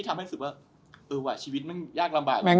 ที่ทำให้รู้สึกว่าชีวิตมันยากลำบากจริง